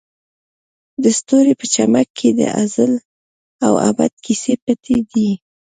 د ستوري په چمک کې د ازل او ابد کیسې پټې دي.